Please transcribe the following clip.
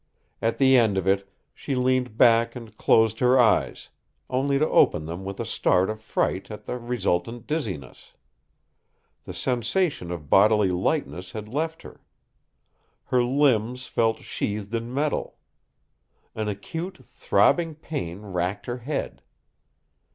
At the end of it, she leaned back and closed her eyes, only to open them with a start of fright at the resultant dizziness. The sensation of bodily lightness had left her. Her limbs felt sheathed in metal. An acute, throbbing pain racked her head.